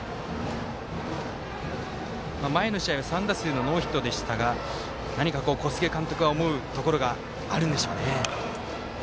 前の試合は３打数のノーヒットでしたが何か小菅監督が思うところがあるんでしょうね。